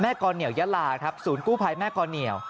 แม่กรเดี๋ยวยะล่าครับศูนย์กู้ภัยแม่กรเดี๋ยว